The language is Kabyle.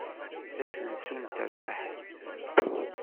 D asensu n terfeht.